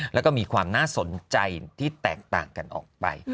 แล้วก็มีความน่าสนใจที่แตกต่างกันออกไป